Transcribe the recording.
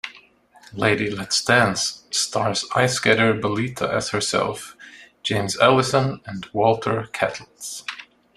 "Lady, Let's Dance" stars ice skater Belita as herself, James Ellison, and Walter Catlett.